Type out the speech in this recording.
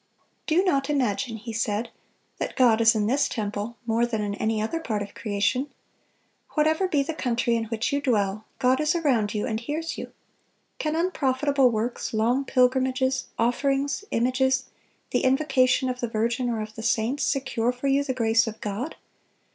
"Do not imagine," he said, "that God is in this temple more than in any other part of creation. Whatever be the country in which you dwell, God is around you, and hears you.... Can unprofitable works, long pilgrimages, offerings, images, the invocation of the Virgin or of the saints, secure for you the grace of God?...